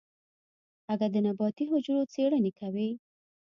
اگه د نباتي حجرو څېړنې کوي.